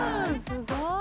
すごい！